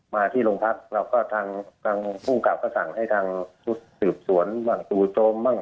มาที่ลงพักแล้วก็ทางผู้กลับก็สั่งให้ทางสืบสวนหวั่งตูโจม